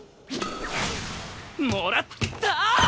もらったー！